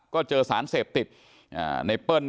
ก็เจอสารเสพติด